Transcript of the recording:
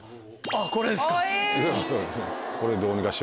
これですか。